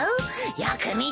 よく見て。